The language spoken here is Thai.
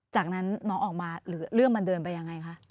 จากนั้นน้องออกมาหรือเรื่องมันเดินไปยังไงคะ